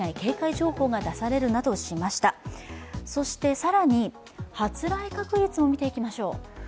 更に発雷確率も見ていきましょう。